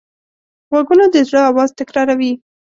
غوږونه د زړه آواز تکراروي